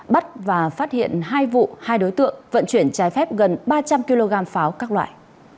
bắt và phát hiện hai vụ hai đối tượng vận chuyển trái phép gần ba trăm linh kg pháo các loại